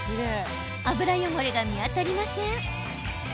油汚れが見当たりません。